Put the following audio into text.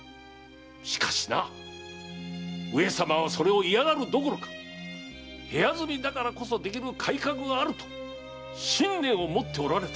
しかしな上様はそれを嫌がるどころか部屋住みだからこそできる改革があると信念を持っておられた。